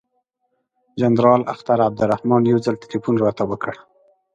جنرال اختر عبدالرحمن یو ځل تلیفون راته وکړ.